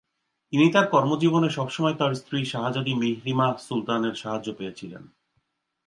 তিনি তার কর্মজীবনে সবসময় তার স্ত্রী শাহজাদী মিহরিমাহ সুলতানের সাহায্য পেয়েছেন।